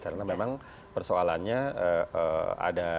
karena memang persoalannya ada